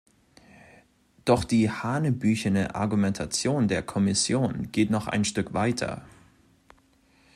Doch die hanebüchene Argumentation der Kommission geht noch ein Stück weiter.